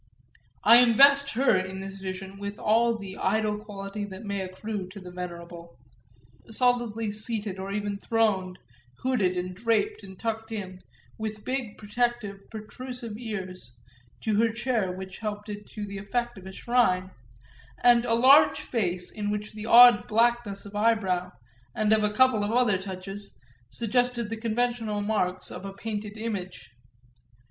I invest her in this vision with all the idol quality that may accrue to the venerable solidly seated or even throned, hooded and draped and tucked in, with big protective protrusive ears to her chair which helped it to the effect of a shrine, and a large face in which the odd blackness of eyebrow and of a couple of other touches suggested the conventional marks of a painted image.